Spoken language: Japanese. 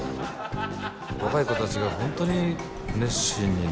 若い子たちが本当に熱心にね